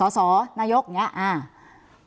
สสนายกอย่างนี้